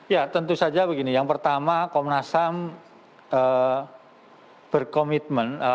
ya tentu saja begini yang pertama komnas ham berkomitmen